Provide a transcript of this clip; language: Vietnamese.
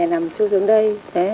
mẹ thì nằm xuống dưới đây